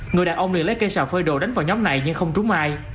người đàn ông liền lấy cây xào phơi đồ đánh vào nhóm này nhưng không trúng ai